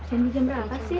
ini jam berapa sih